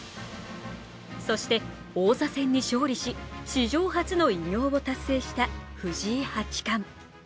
そして王座戦に勝利し、史上初の偉業を達成した藤井八冠。